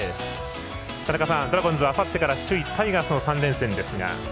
田中さん、ドラゴンズはあすから首位タイガースとの３連戦ですが。